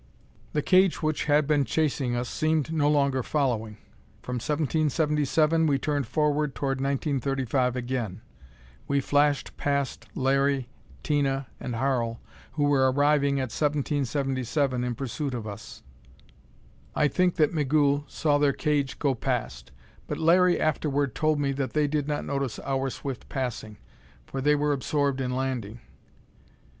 The cage which had been chasing us seemed no longer following. From 1777, we turned forward toward 1935 again. We flashed past Larry, Tina and Harl who were arriving at 1777 in pursuit of us. I think that Migul saw their cage go past; but Larry afterward told me that they did not notice our swift passing, for they were absorbed in landing.